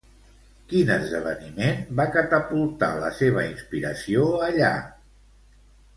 Quin esdeveniment va catapultar la seva inspiració allà?